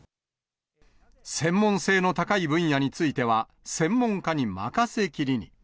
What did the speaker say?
専門性の高い分野については、専門家に任せきりに。